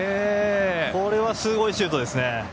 これはすごいシュートですね。